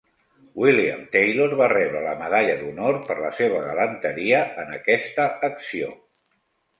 William Taylor va rebre la Medalla d'Honor per la seva galanteria en aquesta acció.